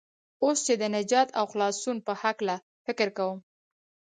اوس چې د نجات او خلاصون په هلکه فکر کوم.